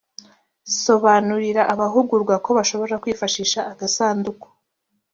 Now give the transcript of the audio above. sobanurira abahugurwa ko bashobora kwifashisha agasanduku